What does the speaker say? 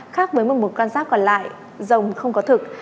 khác với một mục con giáp còn lại rồng không có thực